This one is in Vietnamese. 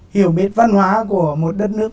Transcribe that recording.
hiểu biết văn hóa của một đất nước